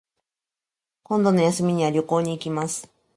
今度の休みには旅行に行きます